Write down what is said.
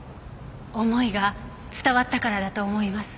思いが伝わったからだと思います。